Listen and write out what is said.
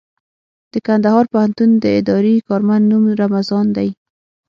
د کندهار پوهنتون د اداري کارمند نوم رمضان دئ.